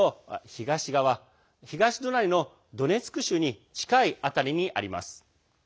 東側東隣のドネツク州に近い辺りにあります。